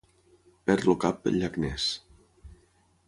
Perd el cap pel llac Ness.